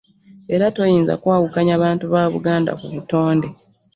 Era toyinza kwawukanya bantu ba Buganda ku butonde